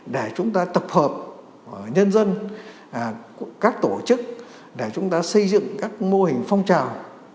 để chúng ta tập hợp nhân dân các tổ chức để chúng ta xây dựng các mô hình phong trào